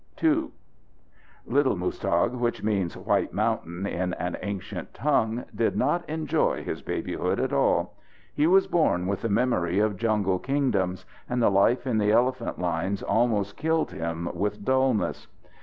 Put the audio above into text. II Little Muztagh (which means White Mountain in an ancient tongue) did not enjoy his babyhood at all. He was born with the memory of jungle kingdoms, and the life in the elephant lines almost killed him with dulness.